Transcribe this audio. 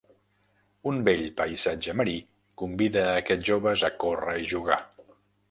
Un bell paisatge marí convida a aquests joves a córrer i jugar.